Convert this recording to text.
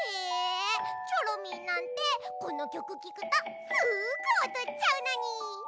チョロミーなんてこのきょくきくとすぐおどっちゃうのに。